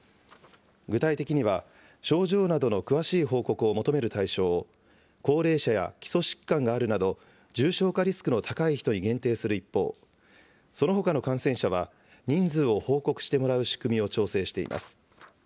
具体的には、症状などの詳しい報告を求める対象を高齢者や基礎疾患があるなど、重症化リスクの高い人に限定する一方、そのほかの感染者は、人数を報告してもらう仕組みを調整しています。